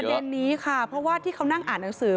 นี้ค่ะเพราะว่าที่เขานั่งอ่านหนังสือ